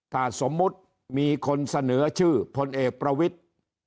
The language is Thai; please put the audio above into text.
ถ้าสมมุติมีคนเสนอชื่อพลเอกประวิทธิ์